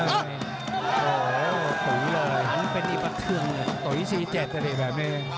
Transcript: โอ้โหต่๋วนี้เลยหันเป็นอีกประถึงต่๋วนี้๔๗แบบนี้